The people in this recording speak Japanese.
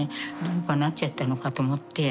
どうかなっちゃったのかと思って。